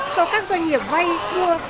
cho các doanh nghiệp vay mua